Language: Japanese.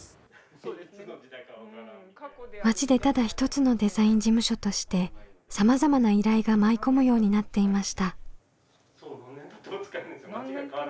町でただ一つのデザイン事務所としてさまざまな依頼が舞い込むようになっていました。